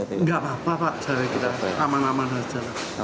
nggak apa apa pak sampai kita aman aman saja